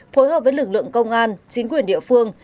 phối hợp với lực lượng công an chính quyền địa phương